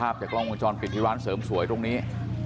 ภาพจากล้องมูลจอลปิดที่ร้านเสริมสวยตรงนี้